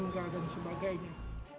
minta dan sebagainya